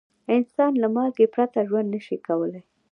انسان له مالګې پرته ژوند نه شي کولای.